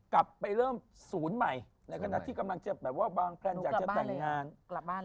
กลับไปเริ่มศูนย์ใหม่ในขณะแทบอยากใจแบบบ้านแทบกลับบ้านเลย